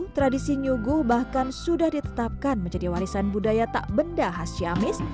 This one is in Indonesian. tradisi nyuguh bahkan sudah ditetapkan menjadi warisan budaya tak benda khas ciamis